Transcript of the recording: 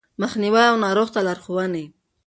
مخنيوی او ناروغ ته لارښوونې